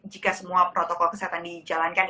jika semua protokol kesehatan dijalankan